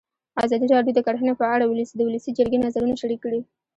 ازادي راډیو د کرهنه په اړه د ولسي جرګې نظرونه شریک کړي.